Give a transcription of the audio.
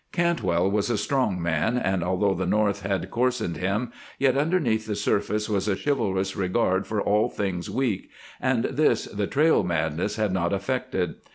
Cantwell was a strong man, and, although the North had coarsened him, yet underneath the surface was a chivalrous regard for all things weak, and this the trail madness had not affected.